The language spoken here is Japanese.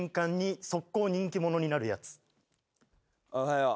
おはよう。